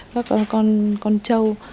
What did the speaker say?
các con trâu